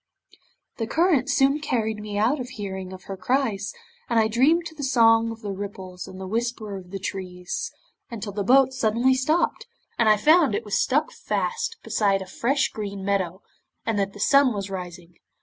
'The current soon carried me out of hearing of her cries, and I dreamed to the song of the ripples and the whisper of the trees, until the boat suddenly stopped, and I found it was stuck fast beside a fresh green meadow, and that the sun was rising.